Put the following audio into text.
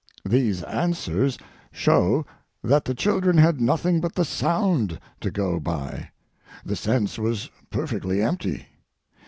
These answers show that the children had nothing but the sound to go by—the sense was perfectly empty.